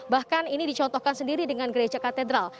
bahkan ini dicontohkan sendiri dengan gereja katedral